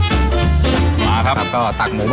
แล้วพูดถึงตัวเกี้ยวเวลาเราสั่งมาแบบเป็นเซ็ตเป็นจานอย่างเงี้ยครับ